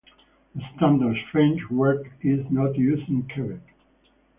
The standard French word is not used in Quebec.